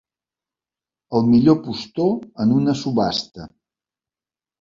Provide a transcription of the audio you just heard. El millor postor en una subhasta.